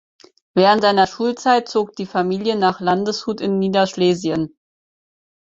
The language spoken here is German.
Während seiner Schulzeit zog die Familie nach Landeshut in Niederschlesien.